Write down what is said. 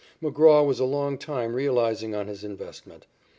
McGraw was a long time realizing on his investment.